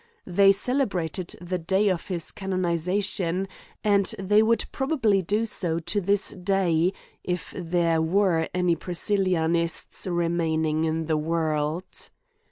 They celebrated the day of his canonization, and they would probably do so to this day, if there were any Priscillianists remaining in the world.